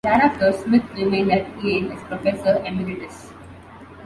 Thereafter, Smith remained at Yale as professor emeritus.